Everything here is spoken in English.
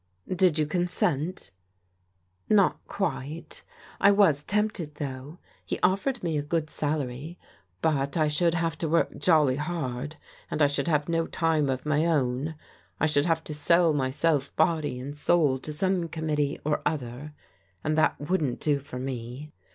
" Did you consent ?"" Not quite. I was tempted, though. He offered me a j^ood salary. But I should have to work jolly hard, and I should have no time of my own. I should have to sell nyself body and soul to some committee or other, and that wouldn't do for me."